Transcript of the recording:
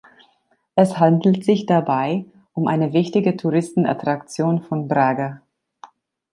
Es handelt sich dabei um eine wichtige Touristenattraktion von Braga.